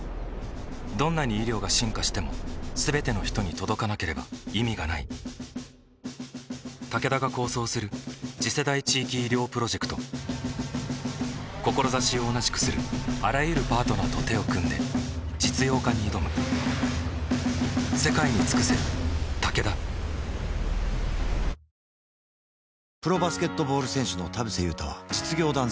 どんなに医療が進化しても全ての人に届かなければ意味がないタケダが構想する次世代地域医療プロジェクト志を同じくするあらゆるパートナーと手を組んで実用化に挑む今日、５６９地点で真夏日を観測した日本列島。